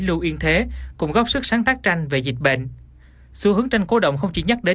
lưu yên thế cùng góp sức sáng tác tranh về dịch bệnh xu hướng tranh cổ động không chỉ nhắc đến